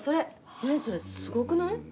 何それすごくない？